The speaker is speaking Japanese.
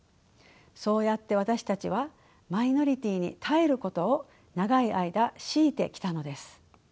そうやって私たちはマイノリティーに耐えることを長い間強いてきたのです。